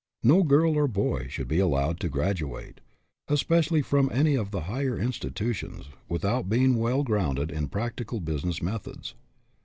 No girl or boy should be allowed to graduate, especially from any of the higher institutions, without being well grounded in practical business methods.